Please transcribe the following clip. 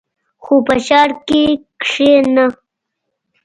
خو په ښار کښې نه.